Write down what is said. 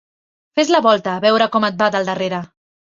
Fes la volta, a veure com et va del darrere.